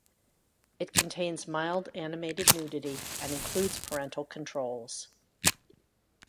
It contains mild animated nudity and includes parental controls.